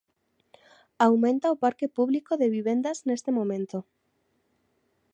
Aumenta o parque público de vivendas neste momento.